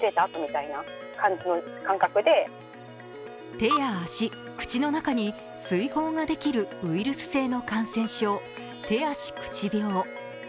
手や足、口の中に水ほうができるウイルス性の感染症、手足口病。